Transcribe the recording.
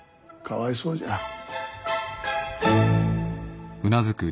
かわいそうじゃ。